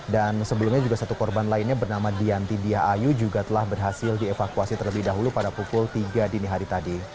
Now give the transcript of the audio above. dan sebelumnya juga satu korban lainnya bernama dianti diaayu juga telah berhasil dievakuasi terlebih dahulu pada pukul tiga dini hari tadi